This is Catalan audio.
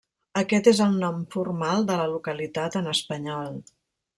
Aquest és el nom formal de la localitat en espanyol.